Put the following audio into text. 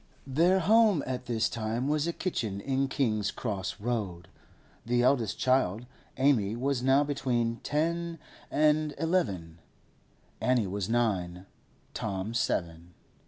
Their home at this time was a kitchen in King's Cross Road. The eldest child, Amy, was now between ten and eleven; Annie was nine; Tom seven.